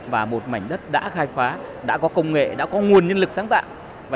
và một mảnh đất đã khai phá đã có công nghệ đã có nguồn nhân lực sáng tạo